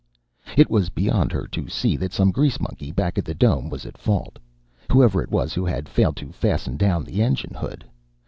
It was beyond her to see that some grease monkey back at the Dome was at fault whoever it was who had failed to fasten down the engine hood.